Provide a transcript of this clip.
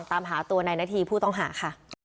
ทราบโหล